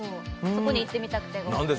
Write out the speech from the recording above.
そこに行ってみたくて。